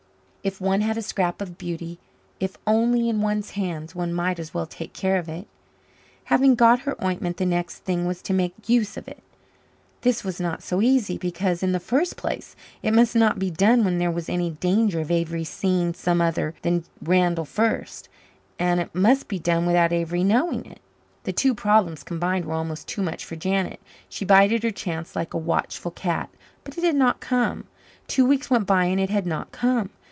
If one had a scrap of beauty, if only in one's hands, one might as well take care of it. Having got her ointment, the next thing was to make use of it. This was not so easy because, in the first place, it must not be done when there was any danger of Avery's seeing some other than Randall first and it must be done without Avery's knowing it. The two problems combined were almost too much for Janet. She bided her chance like a watchful cat but it did not come. Two weeks went by and it had not come.